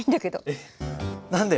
えっ何で？